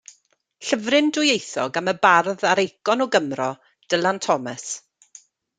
Llyfryn dwyieithog am y bardd a'r eicon o Gymro, Dylan Thomas.